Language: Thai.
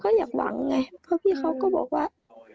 เพราะพี่เขาก็บอกว่า